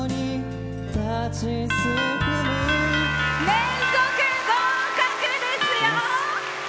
連続合格ですよ！